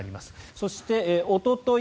そしておととい